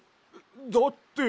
だって。